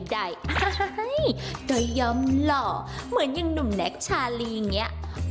เฮ้อเฮ่ยก็ยำหล่อเหมือนยังหนุ่มแนกชาลีเงี้ย